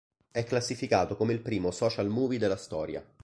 È classificato come il primo Social Movie della storia.